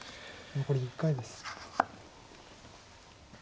残り１回です。